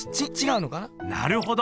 なるほど。